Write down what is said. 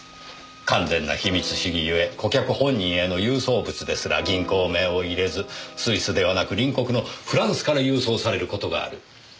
完全な秘密主義ゆえ顧客本人への郵送物ですら銀行名を入れずスイスではなく隣国のフランスから郵送される事がある。